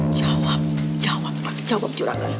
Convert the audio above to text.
jawab jawab jawab juragan